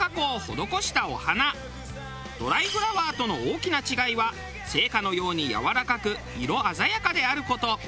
ドライフラワーとの大きな違いは生花のようにやわらかく色鮮やかである事。